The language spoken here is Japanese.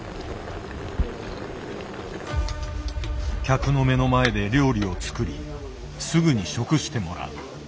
客の目の前で料理を作りすぐに食してもらう。